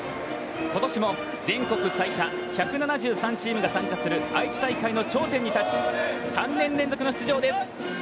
ことしも全国最多１７３チームが出場する愛知大会の決勝に立ち、３年連続の出場です。